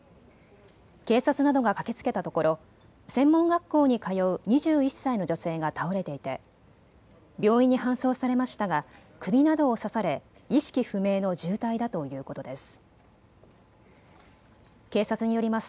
警察などが駆けつけたところ専門学校に通う２１歳の女性が倒れていて病院に搬送されましたが首などを刺され意識不明の重体だということです。